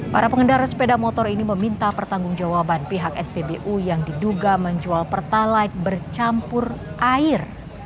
para pengendara sepeda motor ini meminta pertanggung jawaban pihak spbu yang diduga menjual pertalite bercampur air